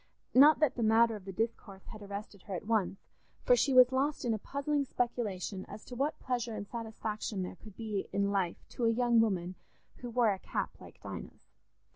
Not that the matter of the discourse had arrested her at once, for she was lost in a puzzling speculation as to what pleasure and satisfaction there could be in life to a young woman who wore a cap like Dinah's.